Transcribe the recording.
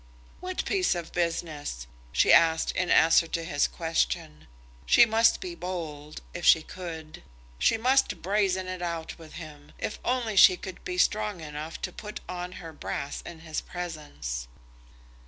"What piece of business?" she asked, in answer to his question. She must be bold, if she could. She must brazen it out with him, if only she could be strong enough to put on her brass in his presence.